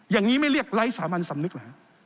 อย่างนี้ไม่เรียกไร้สามัญสำนึกเหรอฮะ